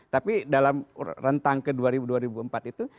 tapi dalam rentang ke dua ribu empat itu